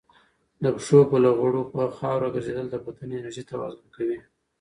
د پښو په لغړو په خاورو ګرځېدل د بدن انرژي توازن کوي.